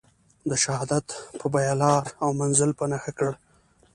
د شهادت په بیه لار او منزل په نښه کړ.